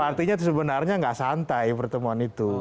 artinya sebenarnya nggak santai pertemuan itu